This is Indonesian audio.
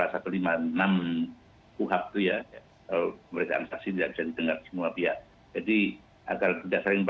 soal saksi karena di lk